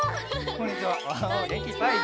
こんにちは！